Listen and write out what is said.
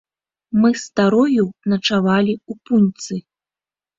Мы з старою начавалі ў пуньцы.